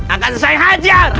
akan saya hajar